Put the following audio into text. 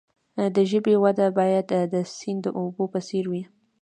د ژبې وده باید د سیند د اوبو په څیر وي.